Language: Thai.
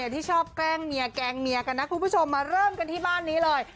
ที่ชอบแกล้งเมียแกล้งเมียกับนักครูได้มาที่บ้านนี้เลย